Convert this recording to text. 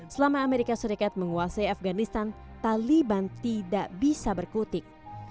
selama amerika serikat menguasai afganistan taliban tidak bisa berkutik